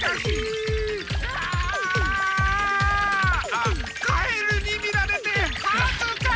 あっカエルに見られてはずかしい！